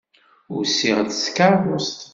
Usiɣ-d s tkeṛṛust.